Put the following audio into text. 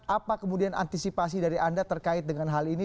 apa kemudian antisipasi dari anda terkait dengan hal ini